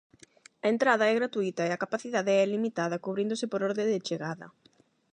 A entrada é gratuíta e a capacidade é limitada, cubríndose por orde de chegada.